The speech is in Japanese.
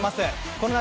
この夏